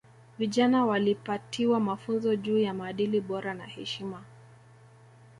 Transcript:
Vijana waliwapatiwa mafunzo juu ya maadili bora na heshima